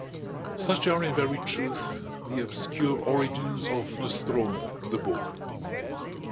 Such are in very truth the obscure origins of "Nostromo" the book.